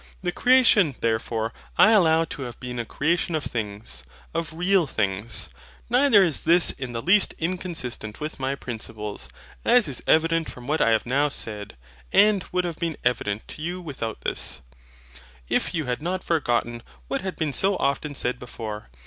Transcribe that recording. The creation, therefore, I allow to have been a creation of things, of REAL things. Neither is this in the least inconsistent with my principles, as is evident from what I have now said; and would have been evident to you without this, if you had not forgotten what had been so often said before.